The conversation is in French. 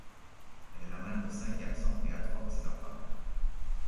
Elle est la mère de cinq garçons et a trois petits-enfants.